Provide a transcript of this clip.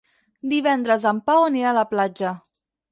Divendres en Pau anirà a la platja.